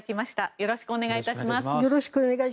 よろしくお願いします。